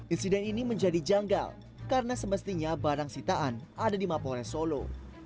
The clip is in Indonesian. insiden ini menjadi janggal karena semestinya barang sitaan ada di mapores solo